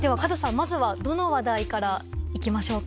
まずはどの話題から行きましょうか。